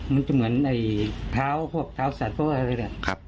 มันจะเหมือนไอ้พร้าวพวกพร้าวสัตว์อะไรแหละครับ